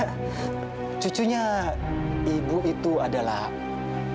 tapi bukannya cucunya ibu itu adalah alena